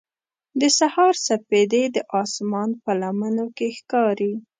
د سهار سپېدې د اسمان په لمنو کې ښکاري.